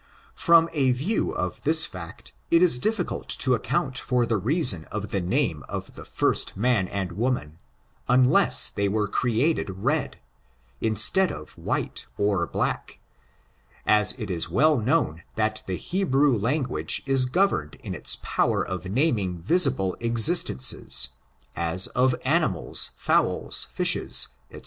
From a view of this fact, it is difficult to account for the reason of the name of the first man and wo man, unless they were created red, instead of white or black, as it is well known that the Hebrew lan guage is governed in its power of naming visible ex istences, as of animals, fowls, fishes, &c.